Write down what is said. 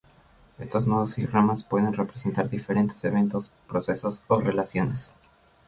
Estos nodos y ramas pueden representar diferentes eventos, procesos, o relaciones.